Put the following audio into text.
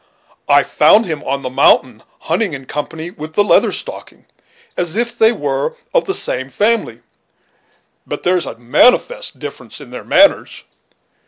I found him on the mountain hunting in company with the Leather Stocking, as if they were of the same family; but there is a manifest difference in their manners.